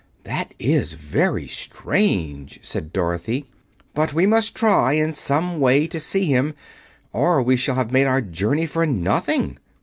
"That is very strange," said Dorothy, "but we must try, in some way, to see him, or we shall have made our journey for nothing."